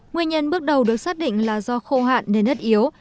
nguyên nhân bước đầu được xác định là do khô hạn nên đất yếu